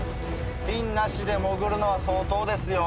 フィンなしで潜るのは相当ですよ。